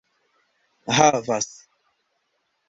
havas